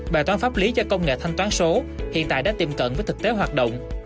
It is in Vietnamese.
bài toán pháp lý cho công nghệ thanh toán số hiện tại đã tiềm cận với thực tế hoạt động